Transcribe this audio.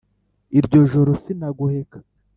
ilyo joro sinagoheka